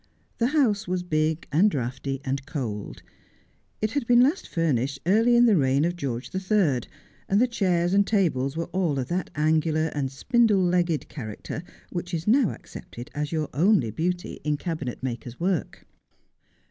The house was big, and draughty, and cold. It had been last furnished early in the reign of George the Third, and the chairs and tables were all of that angular and spindie legged character which is now accepted as your only beauty in cabinetmaker's work.